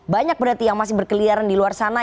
banyak berarti yang masih berkeliaran di luar sana